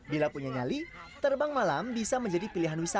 bila punya nyali terbang malam bisa menjadi pilihan wisata